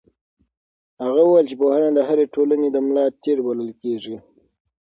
هغه وویل چې پوهنه د هرې ټولنې د ملا تیر بلل کېږي.